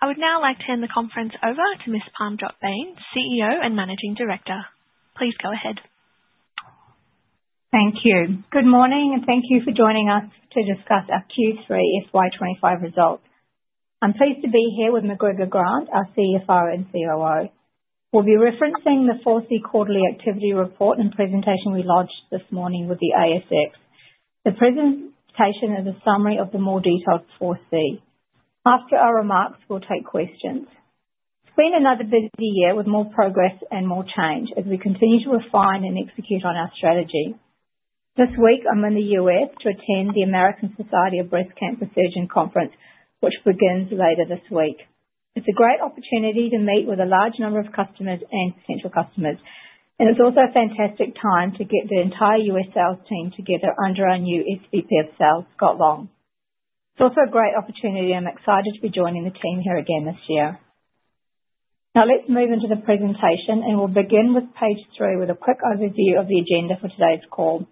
I would now like to hand the conference over to Ms. Parmjot Bains, CEO and Managing Director. Please go ahead. Thank you. Good morning, and thank you for joining us to discuss our Q3 FY 2025 results. I'm pleased to be here with McGregor Grant, our CFO and COO. We'll be referencing the Fourth Quarterly Activity Report and presentation we launched this morning with the ASX. The presentation is a summary of the more detailed Fourth Quarterly Activity Report. After our remarks, we'll take questions. It's been another busy year with more progress and more change as we continue to refine and execute on our strategy. This week, I'm in the U.S. to attend the American Society of Breast Cancer Surgeons Conference, which begins later this week. It's a great opportunity to meet with a large number of customers and potential customers, and it's also a fantastic time to get the entire U.S. sales team together under our new SVP of Sales, Scott Long. It's also a great opportunity, and I'm excited to be joining the team here again this year. Now, let's move into the presentation, and we'll begin with page three with a quick overview of the agenda for today's call.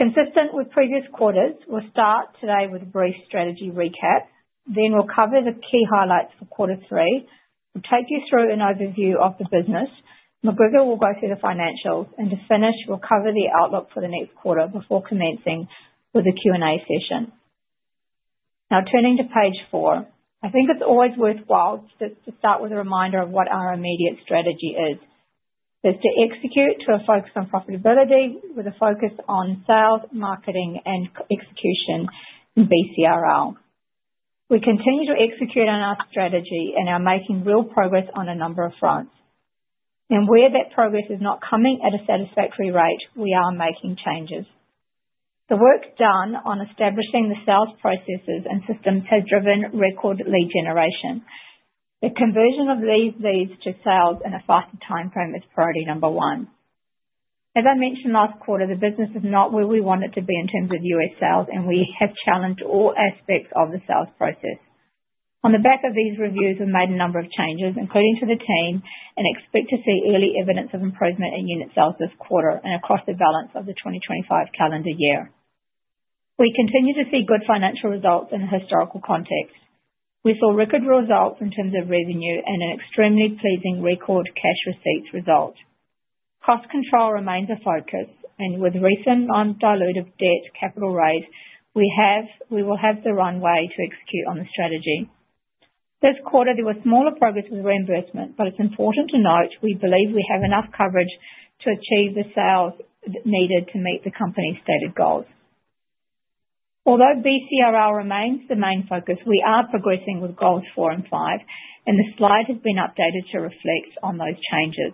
Consistent with previous quarters, we'll start today with a brief strategy recap. Then we'll cover the key highlights for quarter three. We'll take you through an overview of the business. McGregor will go through the financials. To finish, we'll cover the outlook for the next quarter before commencing with a Q&A session. Now, turning to page four, I think it's always worthwhile to start with a reminder of what our immediate strategy is. It's to execute to a focus on profitability with a focus on sales, marketing, and execution and BCRL. We continue to execute on our strategy and are making real progress on a number of fronts. Where that progress is not coming at a satisfactory rate, we are making changes. The work done on establishing the sales processes and systems has driven record lead generation. The conversion of these leads to sales in a faster timeframe is priority number one. As I mentioned last quarter, the business is not where we want it to be in terms of U.S. sales, and we have challenged all aspects of the sales process. On the back of these reviews, we've made a number of changes, including to the team, and expect to see early evidence of improvement in unit sales this quarter and across the balance of the 2025 calendar year. We continue to see good financial results in a historical context. We saw record results in terms of revenue and an extremely pleasing record cash receipts result. Cost control remains a focus, and with recent non-dilutive debt capital raise, we will have the runway to execute on the strategy. This quarter, there was smaller progress with reimbursement, but it's important to note we believe we have enough coverage to achieve the sales needed to meet the company's stated goals. Although BCRL remains the main focus, we are progressing with goals four and five, and the slide has been updated to reflect on those changes.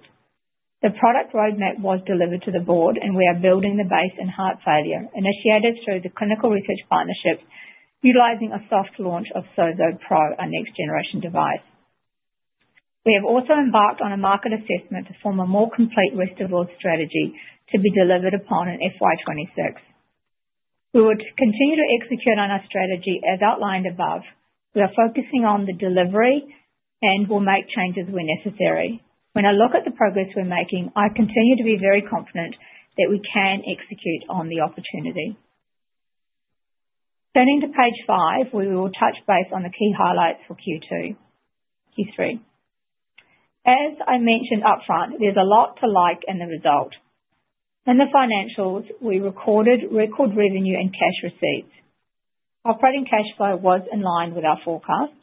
The product roadmap was delivered to the board, and we are building the base in heart failure, initiated through the clinical research partnership, utilizing a soft launch of SOZO Pro, our next-generation device. We have also embarked on a market assessment to form a more complete risk-averse strategy to be delivered upon in FY 2026. We will continue to execute on our strategy as outlined above. We are focusing on the delivery and will make changes where necessary. When I look at the progress we're making, I continue to be very confident that we can execute on the opportunity. Turning to page five, we will touch base on the key highlights for Q2, Q3. As I mentioned upfront, there's a lot to like in the result. In the financials, we recorded record revenue and cash receipts. Operating cash flow was in line with our forecast.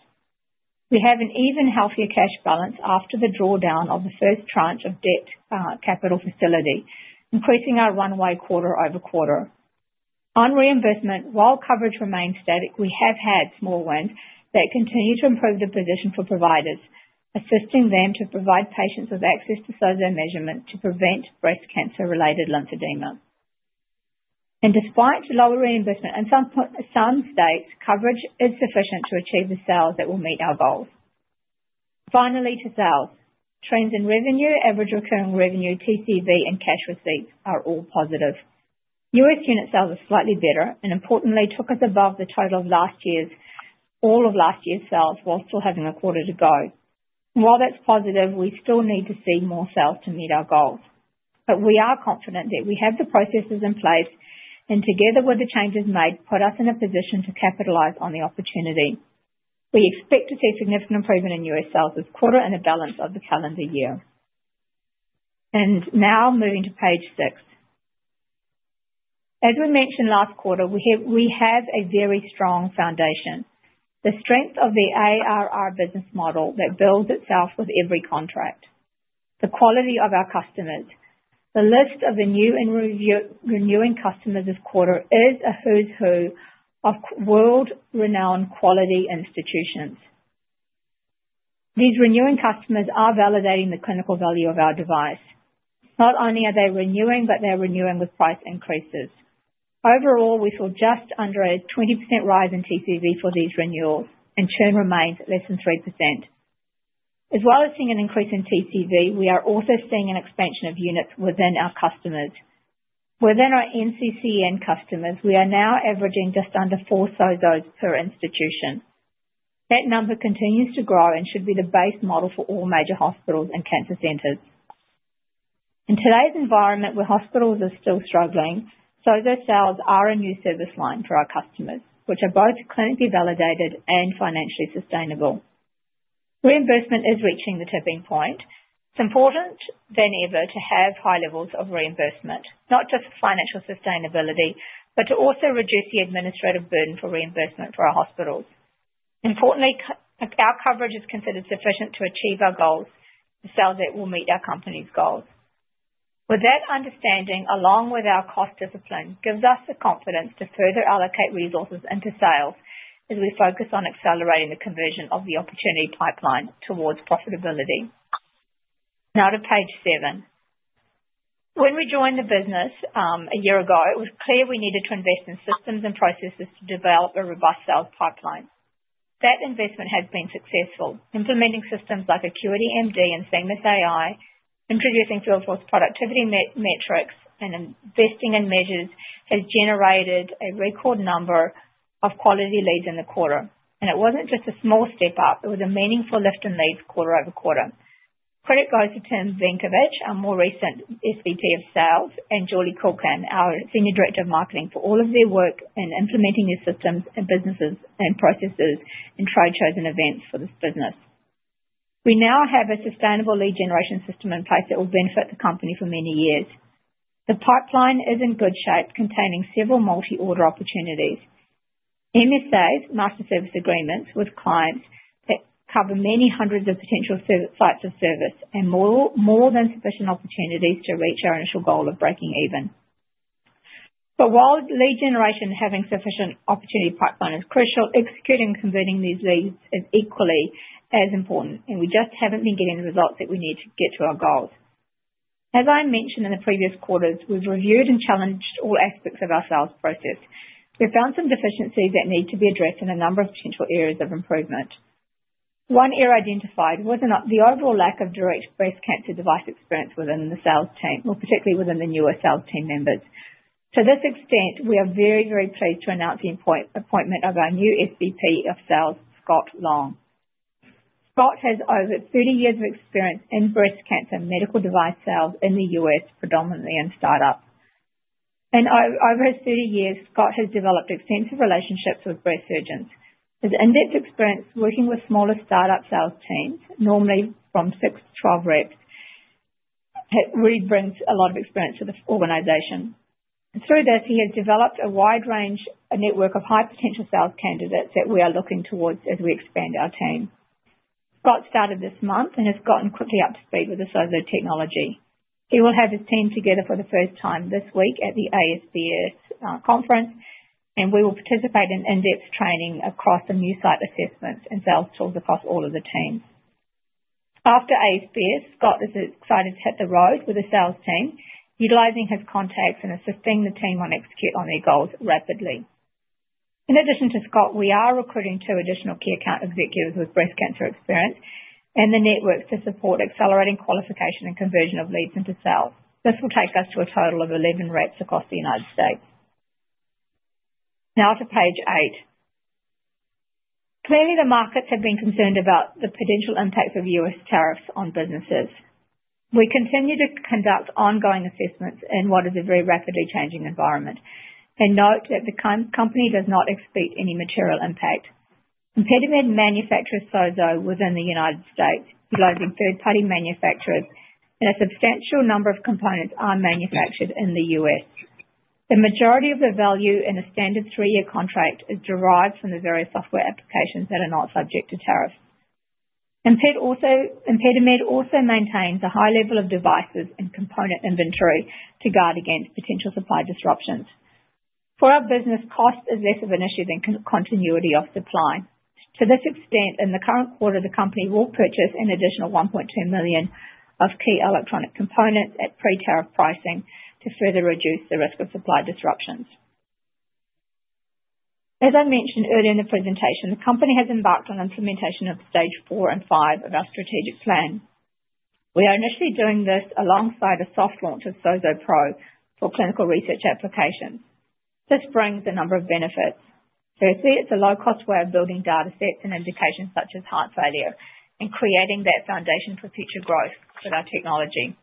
We have an even healthier cash balance after the drawdown of the first tranche of debt capital facility, increasing our runway quarter-over-quarter. On reimbursement, while coverage remained static, we have had small wins that continue to improve the position for providers, assisting them to provide patients with access to SOZO measurement to prevent breast cancer-related lymphoedema. Despite lower reimbursement in some states, coverage is sufficient to achieve the sales that will meet our goals. Finally, to sales, trends in revenue, average recurring revenue, TCV, and cash receipts are all positive. U.S. unit sales are slightly better and, importantly, took us above the total of all of last year's sales while still having a quarter to go. While that is positive, we still need to see more sales to meet our goals. We are confident that we have the processes in place and, together with the changes made, put us in a position to capitalize on the opportunity. We expect to see significant improvement in U.S. sales this quarter and the balance of the calendar year. Now, moving to page six. As we mentioned last quarter, we have a very strong foundation. The strength of the ARR business model that builds itself with every contract, the quality of our customers, the list of the new and renewing customers this quarter is a who's who of world-renowned quality institutions. These renewing customers are validating the clinical value of our device. Not only are they renewing, but they're renewing with price increases. Overall, we saw just under a 20% rise in TCV for these renewals, and churn remains less than 3%. As well as seeing an increase in TCV, we are also seeing an expansion of units within our customers. Within our NCCN customers, we are now averaging just under four SOZOs per institution. That number continues to grow and should be the base model for all major hospitals and cancer centers. In today's environment, where hospitals are still struggling, SOZO sales are a new service line for our customers, which are both clinically validated and financially sustainable. Reimbursement is reaching the tipping point. It's more important than ever to have high levels of reimbursement, not just financial sustainability, but to also reduce the administrative burden for reimbursement for our hospitals. Importantly, our coverage is considered sufficient to achieve our goals and sales that will meet our company's goals. With that understanding, along with our cost discipline, gives us the confidence to further allocate resources into sales as we focus on accelerating the conversion of the opportunity pipeline towards profitability. Now to page seven. When we joined the business a year ago, it was clear we needed to invest in systems and processes to develop a robust sales pipeline. That investment has been successful. Implementing systems like AcuityMD and Seamless.AI, introducing Salesforce productivity metrics, and investing in measures has generated a record number of quality leads in the quarter. It was not just a small step up. It was a meaningful lift in leads quarter-over-quarter. Credit goes to Tim Benkovic, our more recent SVP of Sales, and Julie Kuhlken, our Senior Director of Marketing, for all of their work in implementing these systems and businesses and processes and trade shows and events for this business. We now have a sustainable lead generation system in place that will benefit the company for many years. The pipeline is in good shape, containing several multi-order opportunities. MSAs, Master Service Agreements with clients that cover many hundreds of potential sites of service, and more than sufficient opportunities to reach our initial goal of breaking even. While lead generation and having a sufficient opportunity pipeline is crucial, executing and converting these leads is equally as important, and we just have not been getting the results that we need to get to our goals. As I mentioned in the previous quarters, we have reviewed and challenged all aspects of our sales process. We found some deficiencies that need to be addressed in a number of potential areas of improvement. One area identified was the overall lack of direct breast cancer device experience within the sales team, or particularly within the newer sales team members. To this extent, we are very, very pleased to announce the appointment of our new SVP of Sales, Scott Long. Scott has over 30 years of experience in breast cancer and medical device sales in the U.S., predominantly in startups. In over 30 years, Scott has developed extensive relationships with breast surgeons. His in-depth experience working with smaller startup sales teams, normally from six to twelve reps, really brings a lot of experience to the organization. Through this, he has developed a wide-range network of high-potential sales candidates that we are looking towards as we expand our team. Scott started this month and has gotten quickly up to speed with the SOZO technology. He will have his team together for the first time this week at the ASBS conference, and we will participate in in-depth training across the new site assessments and sales tools across all of the teams. After ASBS, Scott is excited to hit the road with the sales team, utilizing his contacts and assisting the team on execute on their goals rapidly. In addition to Scott, we are recruiting two additional key account executives with breast cancer experience and the networks to support accelerating qualification and conversion of leads into sales. This will take us to a total of 11 reps across the United States. Now to page eight. Clearly, the markets have been concerned about the potential impacts of U.S. tariffs on businesses. We continue to conduct ongoing assessments in what is a very rapidly changing environment. Note that the company does not expect any material impact. ImpediMed manufactures SOZO within the United States, utilizing third-party manufacturers, and a substantial number of components are manufactured in the U.S.. The majority of the value in a standard three-year contract is derived from the various software applications that are not subject to tariff. ImpediMed also maintains a high level of devices and component inventory to guard against potential supply disruptions. For our business, cost is less of an issue than continuity of supply. To this extent, in the current quarter, the company will purchase an additional $1.2 million of key electronic components at pre-tariff pricing to further reduce the risk of supply disruptions. As I mentioned earlier in the presentation, the company has embarked on implementation of stage four and five of our strategic plan. We are initially doing this alongside a soft launch of SOZO Pro for clinical research applications. This brings a number of benefits. Firstly, it's a low-cost way of building data sets and indications such as heart failure and creating that foundation for future growth for our technology.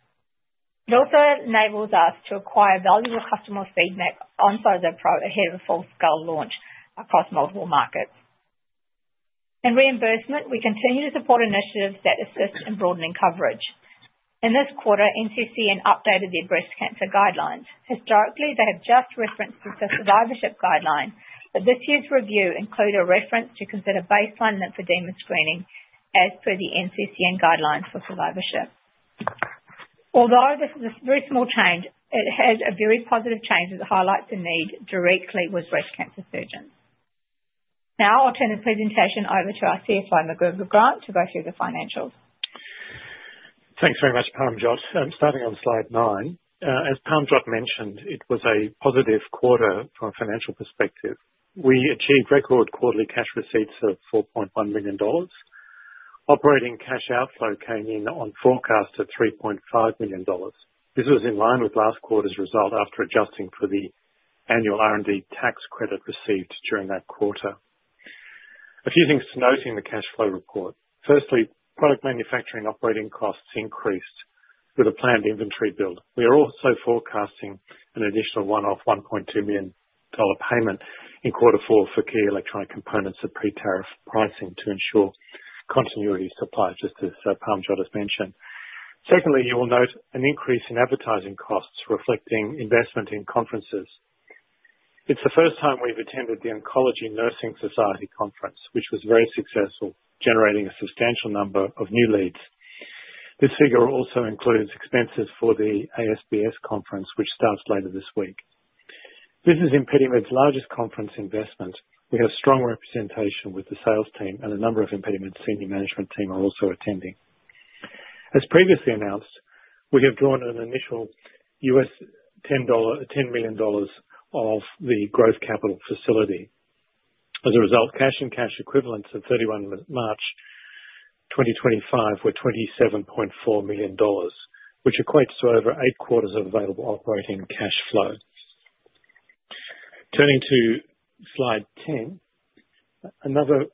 It also enables us to acquire valuable customer feedback on SOZO Pro ahead of a full-scale launch across multiple markets. In reimbursement, we continue to support initiatives that assist in broadening coverage. In this quarter, NCCN updated their breast cancer guidelines. Historically, they have just referenced the survivorship guideline, but this year's review includes a reference to consider baseline lymphoedema screening as per the NCCN guidelines for survivorship. Although this is a very small change, it has a very positive change as it highlights a need directly with breast cancer surgeons. Now I'll turn the presentation over to our CFO, McGregor Grant, to go through the financials. Thanks very much, Parmjot. Starting on slide nine, as Parmjot mentioned, it was a positive quarter from a financial perspective. We achieved record quarterly cash receipts of $4.1 million. Operating cash outflow came in on forecast at $3.5 million. This was in line with last quarter's result after adjusting for the annual R&D tax credit received during that quarter. A few things to note in the cash flow report. Firstly, product manufacturing operating costs increased with a planned inventory build. We are also forecasting an additional one-off $1.2 million payment in quarter four for key electronic components at pre-tariff pricing to ensure continuity of supply, just as Parmjot has mentioned. Secondly, you will note an increase in advertising costs reflecting investment in conferences. It's the first time we've attended the Oncology Nursing Society conference, which was very successful, generating a substantial number of new leads. This figure also includes expenses for the ASBS conference, which starts later this week. This is ImpediMed's largest conference investment. We have strong representation with the sales team, and a number of ImpediMed's senior management team are also attending. As previously announced, we have drawn an initial $10 million of the growth capital facility. As a result, cash and cash equivalents of March 31, 2025 were $27.4 million, which equates to over eight quarters of available operating cash flow. Turning to slide ten, another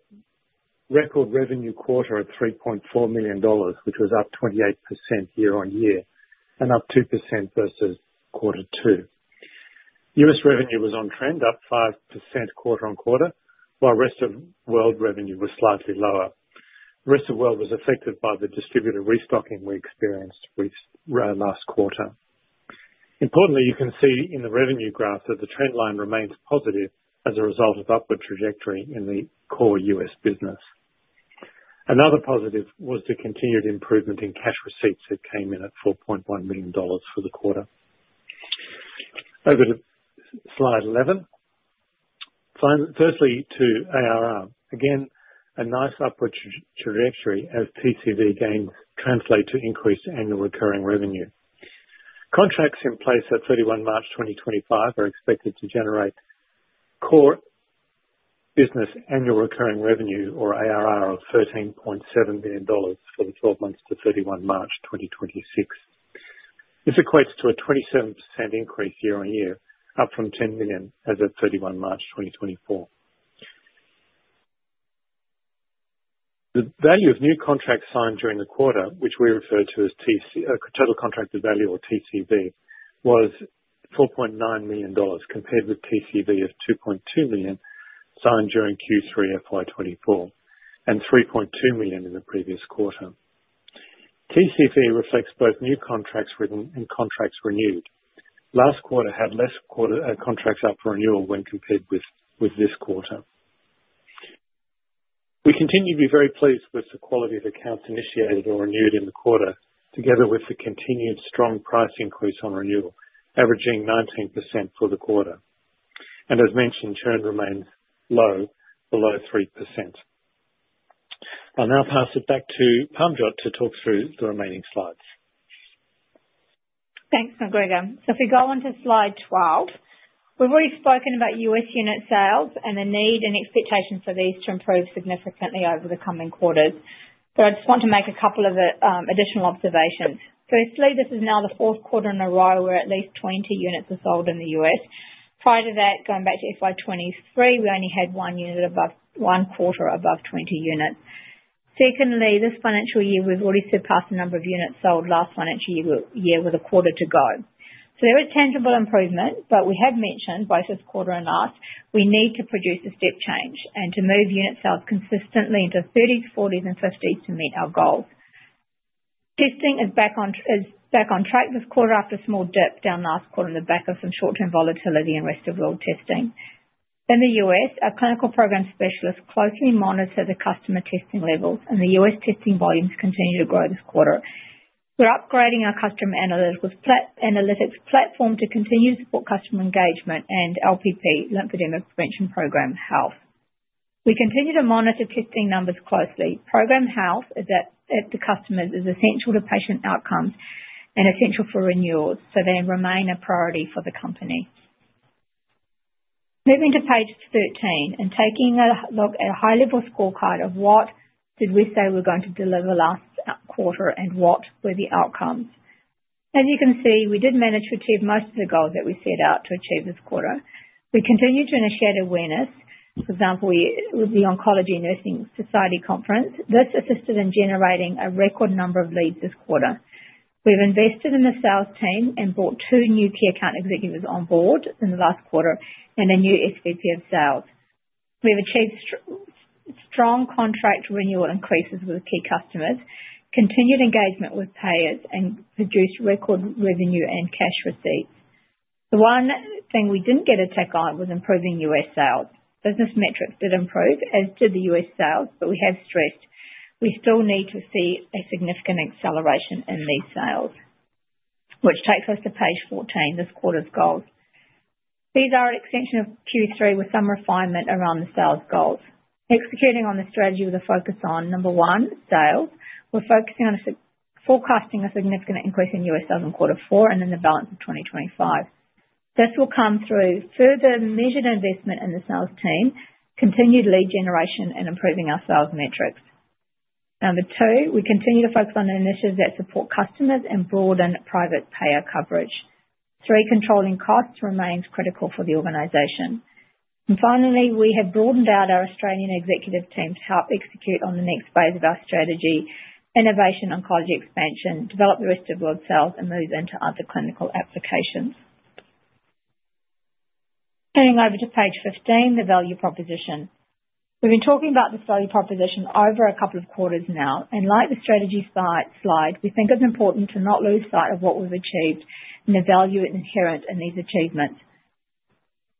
record revenue quarter of $3.4 million, which was up 28% year-on-year and up 2% versus quarter two. U.S. revenue was on trend, up 5% quarter-on-quarter, while rest of world revenue was slightly lower. Rest of world was affected by the distributor restocking we experienced last quarter. Importantly, you can see in the revenue graph that the trend line remains positive as a result of upward trajectory in the core U.S. business. Another positive was the continued improvement in cash receipts that came in at $4.1 million for the quarter. Over to slide 11. Firstly, to ARR. Again, a nice upward trajectory as TCV gains translate to increased annual recurring revenue. Contracts in place at March 31, 2025 are expected to generate core business annual recurring revenue, or ARR, of $13.7 million for the 12 months to March 31, 2026. This equates to a 27% increase year-on-year, up from $10 million as of March 31, 2024. The value of new contracts signed during the quarter, which we refer to as total contracted value, or TCV, was $4.9 million, compared with TCV of $2.2 million signed during Q3 FY 2024 and $3.2 million in the previous quarter. TCV reflects both new contracts written and contracts renewed. Last quarter had less contracts up for renewal when compared with this quarter. We continue to be very pleased with the quality of accounts initiated or renewed in the quarter, together with the continued strong price increase on renewal, averaging 19% for the quarter. As mentioned, churn remains low, below 3%. I'll now pass it back to Parmjot to talk through the remaining slides. Thanks, McGregor. If we go on to slide 12, we've already spoken about U.S. unit sales and the need and expectation for these to improve significantly over the coming quarters. I just want to make a couple of additional observations. Firstly, this is now the fourth quarter in a row where at least 20 units are sold in the U.S.. Prior to that, going back to FY 2023, we only had one quarter above 20 units. Secondly, this financial year, we've already surpassed the number of units sold last financial year with a quarter to go. There is tangible improvement, but we have mentioned both this quarter and last, we need to produce a step change and to move unit sales consistently into 30s, 40s, and 50s to meet our goals. Testing is back on track this quarter after a small dip down last quarter on the back of some short-term volatility and rest of world testing. In the U.S., our clinical program specialists closely monitor the customer testing levels, and the U.S. testing volumes continue to grow this quarter. We're upgrading our customer analytics platform to continue to support customer engagement and LPP, Lymphoedema Prevention Program Health. We continue to monitor testing numbers closely. Program Health at the customers is essential to patient outcomes and essential for renewals, so they remain a priority for the company. Moving to page 13 and taking a look at a high-level scorecard of what did we say we're going to deliver last quarter and what were the outcomes. As you can see, we did manage to achieve most of the goals that we set out to achieve this quarter. We continue to initiate awareness. For example, with the Oncology Nursing Society conference, this assisted in generating a record number of leads this quarter. We've invested in the sales team and brought two new key account executives on board in the last quarter and a new SVP of Sales. We've achieved strong contract renewal increases with key customers, continued engagement with payers, and produced record revenue and cash receipts. The one thing we didn't get a take on was improving U.S. sales. Business metrics did improve as did the U.S. sales, but we have stressed we still need to see a significant acceleration in these sales, which takes us to page 14, this quarter's goals. These are an extension of Q3 with some refinement around the sales goals. Executing on the strategy with a focus on number one, sales, we're focusing on forecasting a significant increase in U.S. sales in quarter four and in the balance of 2025. This will come through further measured investment in the sales team, continued lead generation, and improving our sales metrics. Number two, we continue to focus on initiatives that support customers and broaden private payer coverage. Three, controlling costs remains critical for the organization. Finally, we have broadened out our Australian executive team to help execute on the next phase of our strategy, innovation, oncology expansion, develop the rest of world sales, and move into other clinical applications. Turning over to page 15, the value proposition. We've been talking about this value proposition over a couple of quarters now. Like the strategy slide, we think it's important to not lose sight of what we've achieved and the value inherent in these achievements.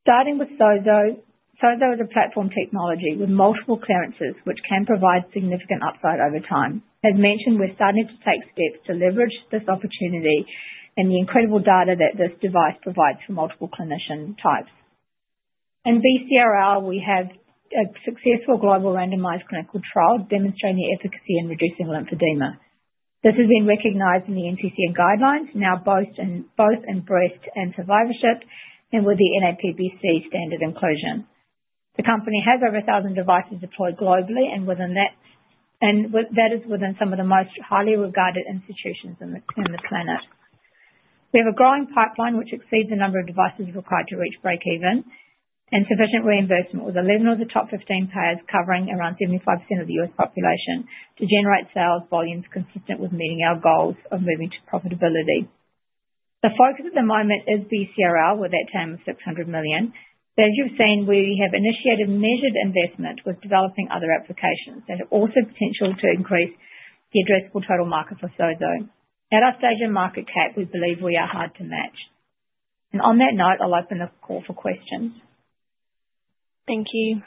Starting with SOZO, SOZO is a platform technology with multiple clearances, which can provide significant upside over time. As mentioned, we're starting to take steps to leverage this opportunity and the incredible data that this device provides for multiple clinician types. In BCRL, we have a successful global randomized clinical trial demonstrating the efficacy in reducing lymphoedema. This has been recognized in the NCCN guidelines, now both in breast and survivorship, and with the NAPBC standard inclusion. The company has over 1,000 devices deployed globally, and that is within some of the most highly regarded institutions on the planet. We have a growing pipeline which exceeds the number of devices required to reach breakeven and sufficient reimbursement, with 11 of the top 15 payers covering around 75% of the U.S. population to generate sales volumes consistent with meeting our goals of moving to profitability. The focus at the moment is BCRL with that TAM of $600 million. As you have seen, we have initiated measured investment with developing other applications and also potential to increase the addressable total market for SOZO. At our stage in market cap, we believe we are hard to match. On that note, I will open the call for questions. Thank you.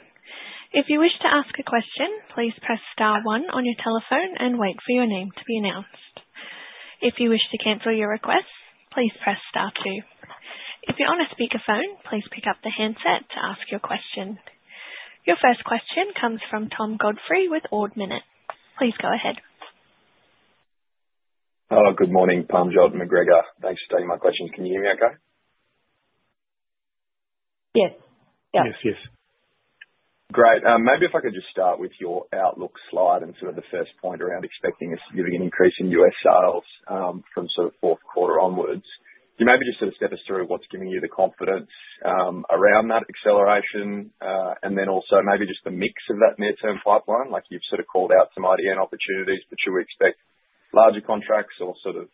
If you wish to ask a question, please press star one on your telephone and wait for your name to be announced. If you wish to cancel your request, please press star two. If you're on a speakerphone, please pick up the handset to ask your question. Your first question comes from Tom Godfrey with Ord Minnett. Please go ahead. Hello, good morning, Parmjot, McGregor. Thanks for taking my questions. Can you hear me okay? Yes. Yes. Yes. Yes. Great. Maybe if I could just start with your Outlook slide and sort of the first point around expecting us to give you an increase in U.S. sales from sort of fourth quarter onwards. Can you maybe just sort of step us through what's giving you the confidence around that acceleration and then also maybe just the mix of that near-term pipeline, like you've sort of called out some idea and opportunities, but should we expect larger contracts or sort of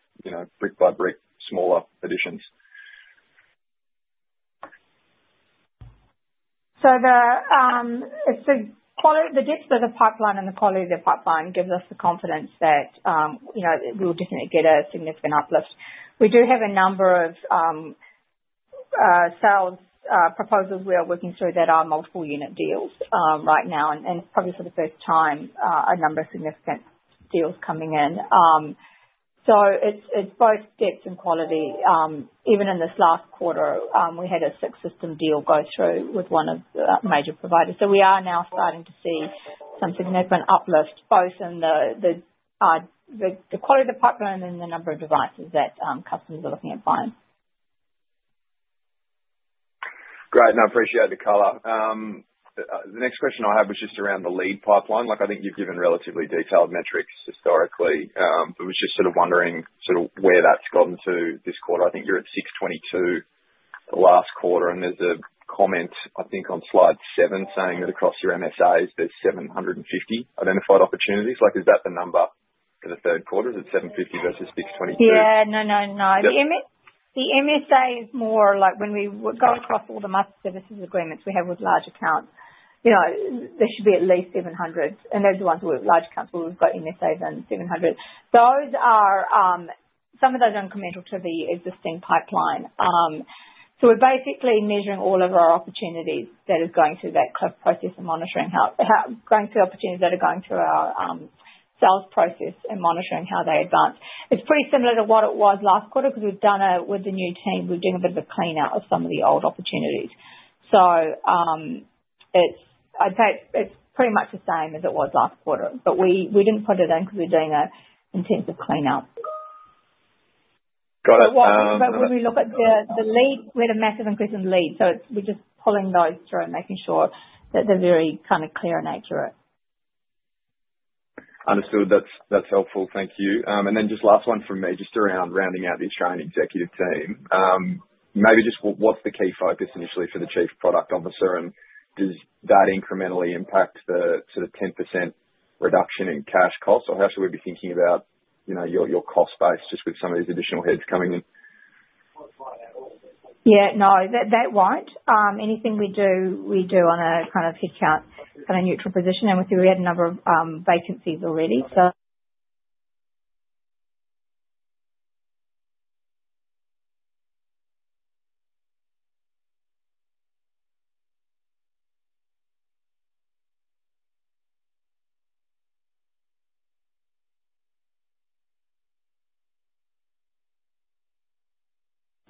brick by brick smaller additions? The depth of the pipeline and the quality of the pipeline gives us the confidence that we will definitely get a significant uplift. We do have a number of sales proposals we are working through that are multiple unit deals right now, and probably for the first time, a number of significant deals coming in. It is both depth and quality. Even in this last quarter, we had a six-system deal go through with one of the major providers. We are now starting to see some significant uplift, both in the quality of the pipeline and then the number of devices that customers are looking at buying. Great. I appreciate the color. The next question I have was just around the lead pipeline. I think you have given relatively detailed metrics historically. I was just sort of wondering where that has gone to this quarter. I think you're at 622 last quarter, and there's a comment, I think, on slide seven saying that across your MSAs, there's 750 identified opportunities. Like is that the number for the third quarter? Is it 750 versus 622? Yeah. No, no, no. The MSA is more like when we go across all the Master Services Agreements we have with large accounts, there should be at least 700. And those are the ones with large accounts where we've got MSAs and 700. Some of those are incremental to the existing pipeline. We are basically measuring all of our opportunities that are going through that CLEF process and monitoring how going through opportunities that are going through our sales process and monitoring how they advance. It's pretty similar to what it was last quarter because we've done a, with the new team, we're doing a bit of a cleanup of some of the old opportunities. I'd say it's pretty much the same as it was last quarter, but we didn't put it in because we're doing an intensive cleanup. Got it. When we look at the lead, we had a massive increase in lead, so we're just pulling those through and making sure that they're very kind of clear and accurate. Understood. That's helpful. Thank you. Just last one from me, just around rounding out the Australian executive team. Maybe just what's the key focus initially for the Chief Product Officer, and does that incrementally impact the sort of 10% reduction in cash costs, or how should we be thinking about your cost base just with some of these additional heads coming in? Yeah. No, that won't. Anything we do, we do on a kind of headcount, kind of neutral position. We see we had a number of vacancies already,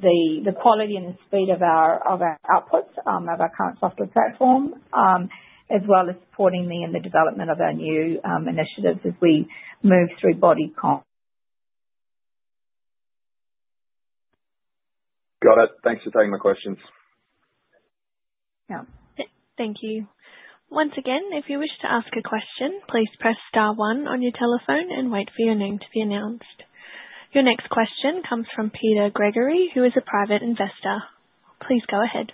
so the quality and the speed of our outputs, of our current software platform, as well as supporting the development of our new initiatives as we move through BodyComp. Got it. Thanks for taking my questions. Yeah. Thank you. Once again, if you wish to ask a question, please press star one on your telephone and wait for your name to be announced. Your next question comes from Peter Gregory, who is a private investor. Please go ahead.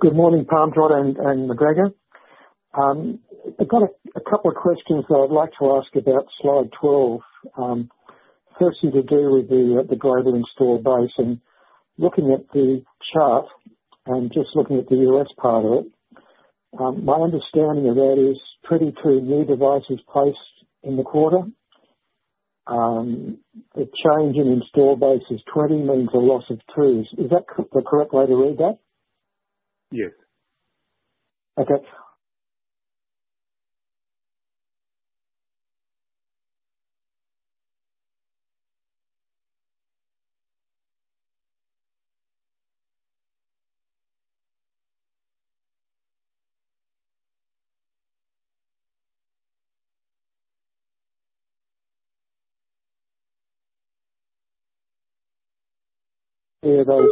Good morning, Parmjot and McGregor. I've got a couple of questions that I'd like to ask about slide 12. First, you're to do with the global install base. And looking at the chart and just looking at the U.S. part of it, my understanding of that is 22 new devices placed in the quarter. The change in install base is 20, means a loss of two. Is that the correct way to read that? Yes. Okay. Are those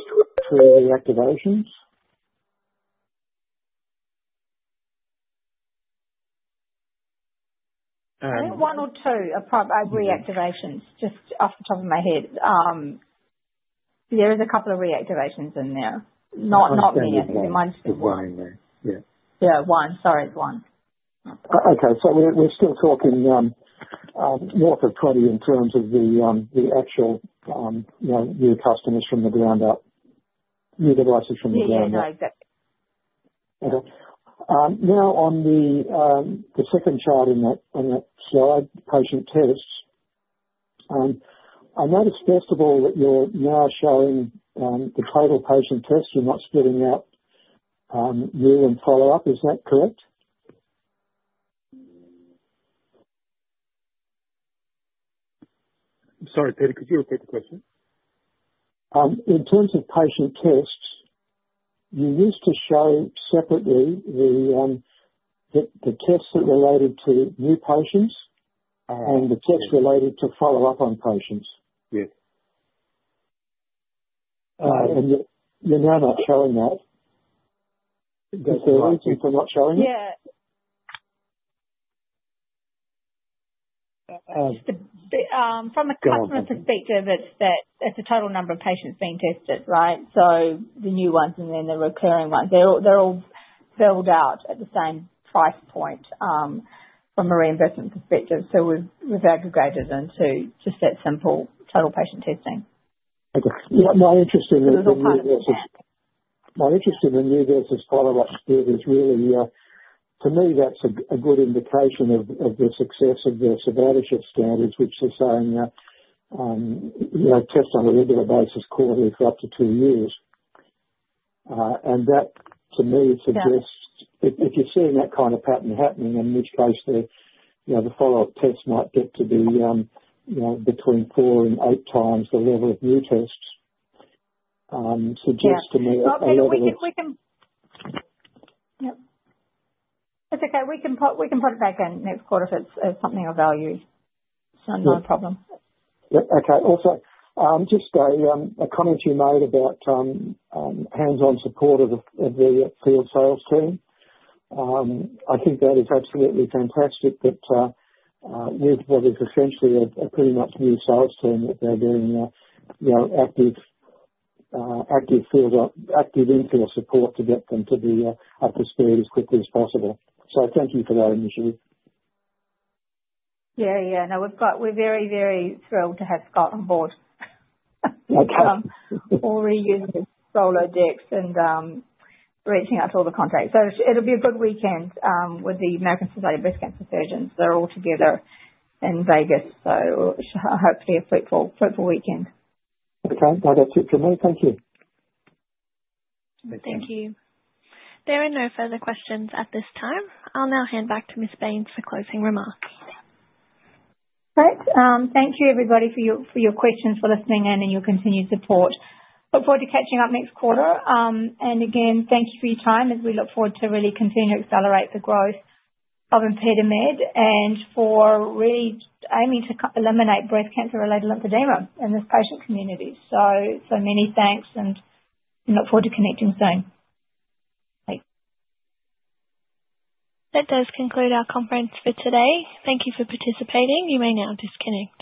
for reactivations? One or two of reactivations, just off the top of my head. There is a couple of reactivations in there. Not many. One or two. Yeah. Yeah. One. Sorry, it's one. Okay. So we're still talking north of 20 in terms of the actual new customers from the ground up, new devices from the ground up. Yeah. Yeah. Now, on the second chart in that slide, patient tests, I noticed first of all that you're now showing the total patient tests. You're not spitting out new and follow-up. Is that correct? I'm sorry, Peter, could you repeat the question? In terms of patient tests, you used to show separately the tests that related to new patients and the tests related to follow-up on patients. Yes. And you're now not showing that. So aren't you for not showing it? Yeah. From a customer perspective, it's a total number of patients being tested, right? So the new ones and then the recurring ones. They're all filled out at the same price point from a reimbursement perspective. We've aggregated them to just that simple total patient testing. My interest in the new versus my interest in the new versus follow-up is really, to me, that's a good indication of the success of their surveillance standards, which they're saying tests on a regular basis quarterly for up to two years. That, to me, suggests if you're seeing that kind of pattern happening, in which case the follow-up tests might get to be between four and 8x the level of new tests, suggests to me a lot of this. Yep. It's okay. We can put it back in next quarter if it's something of value. It's not a problem. Yeah. Okay. Also, just a comment you made about hands-on support of the field sales team. I think that is absolutely fantastic that you've got essentially a pretty much new sales team that they're doing active field infill support to get them to be up to speed as quickly as possible. Thank you for that initially. Yeah. Yeah. No, we're very, very thrilled to have Scott on board. Okay. We're reusing SOZO decks and reaching out to all the contracts. It will be a good weekend with the American Society of Breast Cancer Surgeons. They're all together in Las Vegas. Hopefully a fruitful weekend. Okay. No, that's it for me. Thank you. Thank you. There are no further questions at this time. I'll now hand back to Ms. Bains for closing remarks. Great. Thank you, everybody, for your questions, for listening in, and your continued support. Look forward to catching up next quarter. Thank you for your time as we look forward to really continue to accelerate the growth of ImpediMed and for really aiming to eliminate breast cancer-related lymphoedema in this patient community. Many thanks, and we look forward to connecting soon. That does conclude our conference for today. Thank you for participating. You may now disconnect.